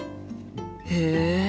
へえ！